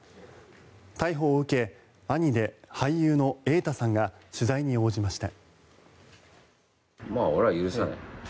逮捕を受け兄で俳優の瑛太さんが取材に応じました。